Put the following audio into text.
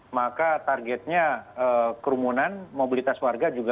maka targetnya kerumunan mobilitas warga juga